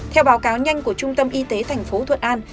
theo báo cáo nhanh của trung tâm y tế tp thuận an